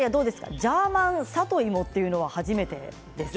ジャーマン里芋というのは初めてですか？